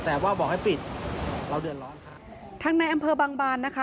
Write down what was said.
แต่ว่าบอกให้ปิดเราเดือดร้อนค่ะทางในอำเภอบางบานนะคะ